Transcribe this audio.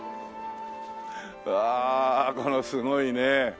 うわこれすごいね。